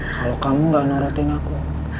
kalau kamu gak narutin aku